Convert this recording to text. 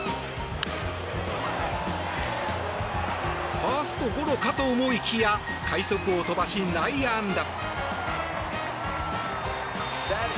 ファーストゴロかと思いきや快足を飛ばし内野安打。